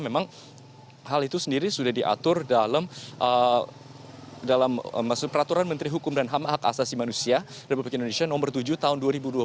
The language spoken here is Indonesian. memang hal itu sendiri sudah diatur dalam peraturan menteri hukum dan ham hak asasi manusia republik indonesia nomor tujuh tahun dua ribu dua puluh